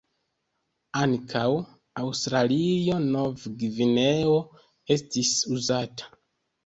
Ankaŭ "Aŭstralio-Nov-Gvineo" estis uzata.